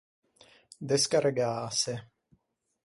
Descarregâse.